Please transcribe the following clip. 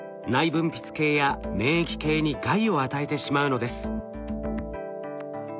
分泌系や免疫系に害を与えてしまうのです。